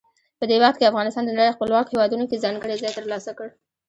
په دې وخت کې افغانستان د نړۍ خپلواکو هیوادونو کې ځانګړی ځای ترلاسه کړ.